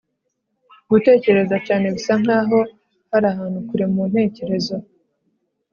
gutekereza cyane, bisankaho ari ahantu kure muntekerezo